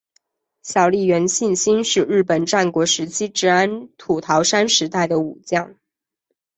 小笠原信兴是日本战国时代至安土桃山时代的武将。